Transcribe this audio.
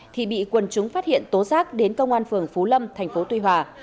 thì bị quân chúng phát hiện tố giác đến công an phường phú lâm tp tuy hòa